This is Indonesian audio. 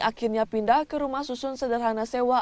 akhirnya pindah ke rumah susun sederhana sewa